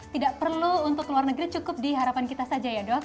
tidak perlu untuk luar negeri cukup di harapan kita saja ya dok